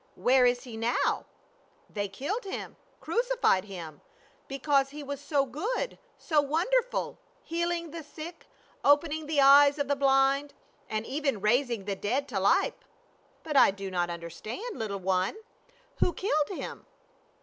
" Where is he now?" "They killed him — crucified him, because he was so good, so wonderful, healing the sick, opening the eyes of the blind, and even raising the dead to life." " But I do not understand, little one ; who killed him?"